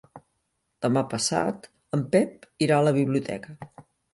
Demà passat en Pep irà a la biblioteca.